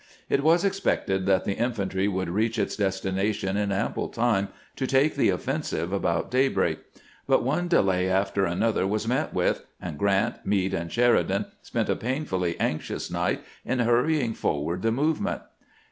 It was expected that the infantry would reach its destination in ample time to take the offensive about daybreak; but one delay after another was met with, and Grant, Meade, and Sheridan spent a painfully anx ious night in hurrying forward the movement.